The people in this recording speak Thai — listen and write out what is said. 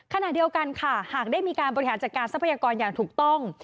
ขณะเดียวกันค่ะหากได้มีการบริหารจัดการทรัพยากรอย่างถูกต้อง